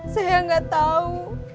saya gak tau